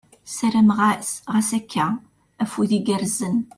Ssarameɣ-as ɣas akka, afud igerrzen !